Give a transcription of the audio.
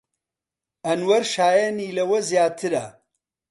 ئەنوەر شایەنی لەوە زیاترە.